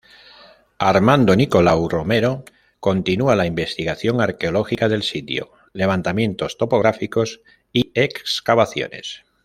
Armando Nicolau Romero, continúa la investigación arqueológica del sitio, levantamientos topográficos y excavaciones.